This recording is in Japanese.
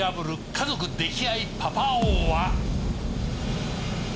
家族溺愛パパ王は。